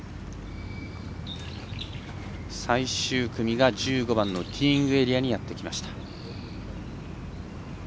最終組が１５番のティーイングエリアにやってきました。